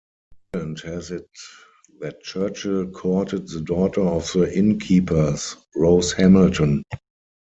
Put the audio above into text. Legend has it that Churchill courted the daughter of the inn keepers, Rose Hamilton.